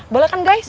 boleh kan guys